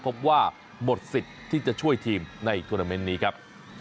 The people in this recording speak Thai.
พบว่าหมดสิทธิ์ที่จะช่วยทีมในทวนาเมนต์นี้ครับ